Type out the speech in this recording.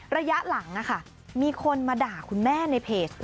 ระยะหลังมีคนมาด่าคุณแม่ในเพจ